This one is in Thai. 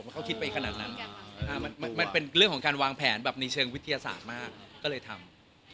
เขาคิดไปขนาดนั้นมันเป็นเรื่องของการวางแผนแบบในเชิงวิทยาศาสตร์มากก็เลยทำ